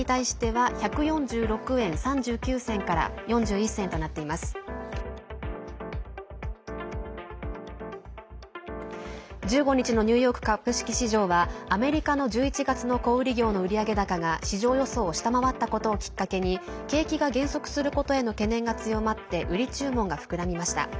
１５日のニューヨーク株式市場はアメリカの１１月の小売業の売上高が市場予想を下回ったことをきっかけに景気が減速することへの懸念が強まって売り注文が膨らみました。